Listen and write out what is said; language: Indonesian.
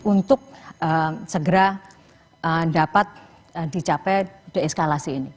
untuk segera dapat dicapai deeskalasi ini